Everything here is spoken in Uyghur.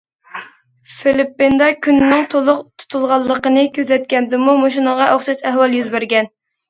فىلىپپىندا كۈننىڭ تولۇق تۇتۇلغانلىقىنى كۆزەتكەندىمۇ مۇشۇنىڭغا ئوخشاش ئەھۋال يۈز بەرگەن.